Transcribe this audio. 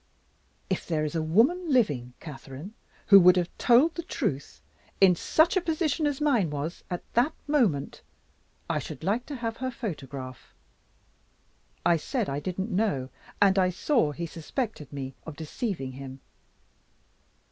If there is a woman living, Catherine, who would have told the truth, in such a position as mine was at that moment, I should like to have her photograph. I said I didn't know and I saw he suspected me of deceiving him.